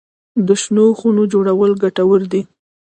د شنو خونو جوړول ګټور دي؟